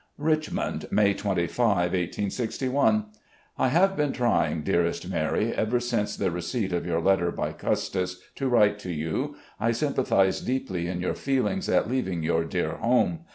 "Richmond, May 25, 1861. "I have been trying, dearest Mary, ever since the receipt of your letter by Custis, to write to you. I sym pathise deeply in your feelings at leaving your dear home.